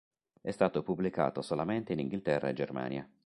È stato pubblicato solamente in Inghilterra e Germania